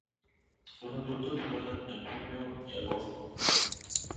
Los adultos vuelan en julio y agosto.